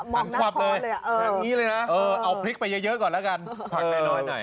มองหน้าคอเลยเออเออเอาพริกไปเยอะก่อนละกันผักหน่อย